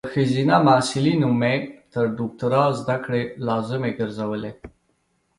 په خځینه محصلینو مې تر دوکتوری ذدکړي لازمي ګرزولي